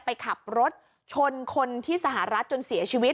ไปขับรถชนคนที่สหรัฐจนเสียชีวิต